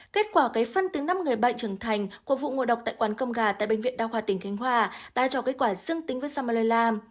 kết quả cái phân tính năm người bệnh trưởng thành của vụ ngộ độc tại quán căm gà tại bệnh viện đao khoa tỉnh khánh hòa đã cho kết quả dương tính với salmonella